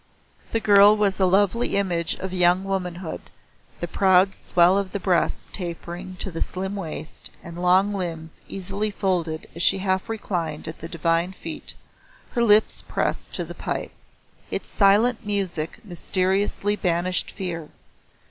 The girl was a lovely image of young womanhood, the proud swell of the breast tapering to the slim waist and long limbs easily folded as she half reclined at the divine feet, her lips pressed to the pipe. Its silent music mysteriously banished fear.